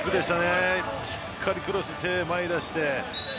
しっかりクロスで前に手を出して。